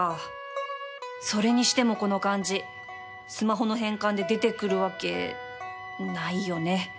それにしてもこの漢字スマホの変換で出てくるわけないよね